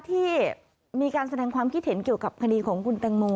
ที่มีการแสดงความคิดเห็นเกี่ยวกับคดีของคุณแตงโม